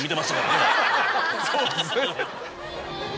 そうですね。